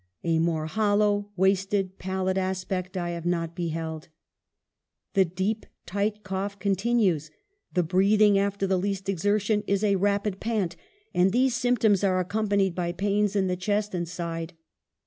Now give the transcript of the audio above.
A more hollow, wasted, pallid aspect I have not beheld. The deep, tight cough continues ; the breathing after the least exertion is a rapid pant ; and these symptoms are accompanied by pains in the chest and side.